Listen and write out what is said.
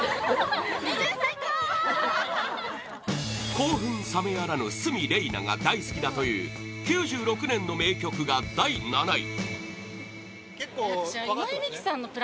興奮冷めやらぬ鷲見玲奈が大好きだという９６年の名曲が第７位